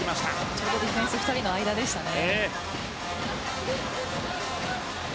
ちょうどディフェンス２人の間でしたね。